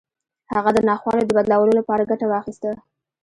هغه د ناخوالو د بدلولو لپاره ګټه واخيسته.